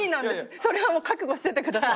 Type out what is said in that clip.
それはもう覚悟しててください。